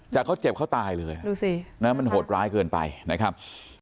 แต่เขาเจ็บเขาตายเลยดูสินะมันโหดร้ายเกินไปนะครับ